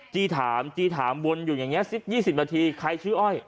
จี้ถามจี้ถามวนอยู่อย่างนี้สัก๒๐นาทีใครชื่ออ้อย